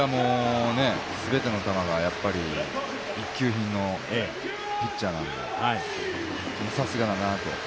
全ての球が一級品のピッチャーなんで、さすがだなと。